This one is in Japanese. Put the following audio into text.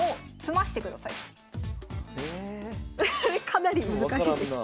かなり難しいです。